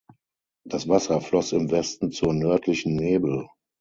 Das Wasser floss im Westen zur nördlichen Nebel.